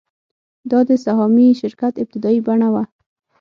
دا د سهامي شرکت ابتدايي بڼه وه